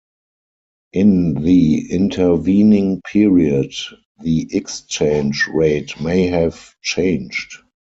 In the intervening period the exchange rate may have changed.